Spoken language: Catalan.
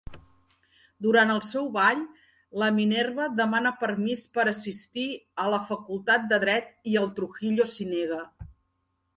Durant el seu ball, la Minerva demana permís per assistir a la facultat de dret i el Trujillo s'hi nega.